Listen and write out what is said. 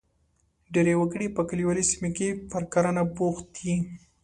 ډېری وګړي په کلیوالي سیمو کې پر کرنه بوخت دي.